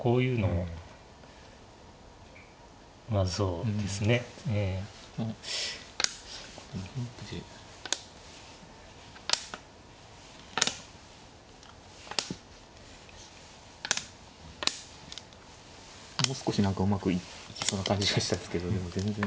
もう少し何かうまくいきそうな感じがしたんですけどでも全然。